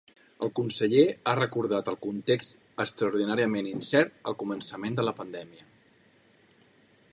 El conseller ha recordat el context “extraordinàriament incert” al començament de la pandèmia.